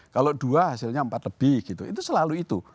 kalau dua hasilnya empat lebih gitu itu selalu itu